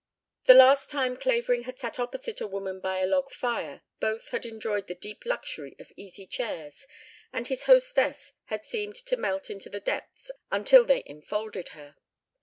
The last time Clavering had sat opposite a woman by a log fire both had enjoyed the deep luxury of easy chairs and his hostess had seemed to melt into the depths until they enfolded her.